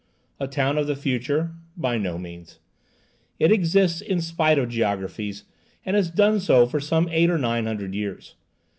A town of the future? By no means. It exists in spite of geographies, and has done so for some eight or nine hundred years.